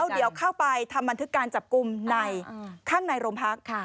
เดี๋ยวเข้าไปทำบันทึกการจับกลุ่มในข้างในโรงพัก